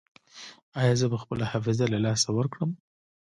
ایا زه به خپله حافظه له لاسه ورکړم؟